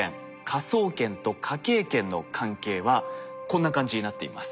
科捜研と科警研の関係はこんな感じになっています。